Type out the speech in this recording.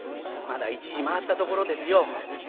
「まだ１時回ったところですよ」。